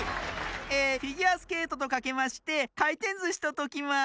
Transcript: えフィギュアスケートとかけましてかいてんずしとときます。